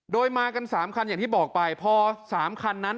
โดยมากัน๓คันอย่างที่บอกไปพอ๓คันนั้น